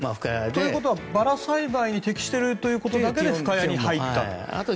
ということはバラ栽培に適しているということだけで深谷に入ったと。